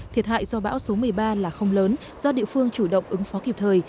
thiệt hại do bão số một mươi ba là không lớn do địa phương chủ động ứng phó kịp thời